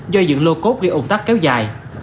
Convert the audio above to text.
do dựng lô cốt bị ủng tắc kéo dài